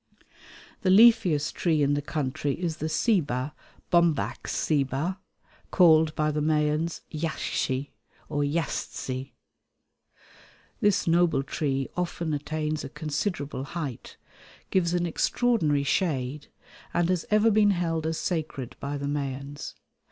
The leafiest tree in the country is the ceiba (Bombax ceiba), called by the Mayans yaxche or yastse. This noble tree often attains a considerable height, gives an extraordinary shade, and has ever been held as sacred by the Mayans.